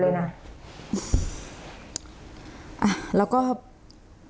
แล้วก็มีคนที่จริงแล้วก็รู้จักกับคุณยาย